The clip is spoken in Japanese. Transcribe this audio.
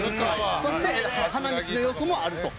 そして花道の要素もあると。